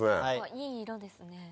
いい色ですね。